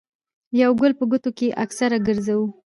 يو ګل په ګوتو کښې اکثر ګرځوو